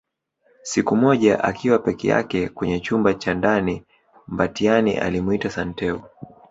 Siku moja akiwa peke yake kwenye chumba cha ndani Mbatiany alimwita Santeu